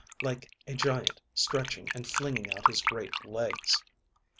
like a giant stretching and flinging out his great legs.